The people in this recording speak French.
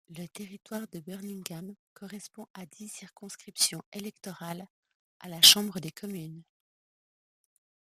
Le territoire de Birmingham correspond à dix circonscriptions électorales à la Chambre des communes.